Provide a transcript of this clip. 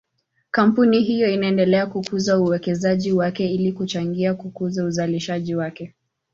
Kampuni hiyo inaendelea kukuza uwekezaji wake ili kuchangia kukuza uzalishaji wake.